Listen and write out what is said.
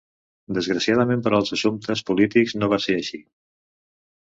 Desgraciadament per als assumptes polítics no va ser així.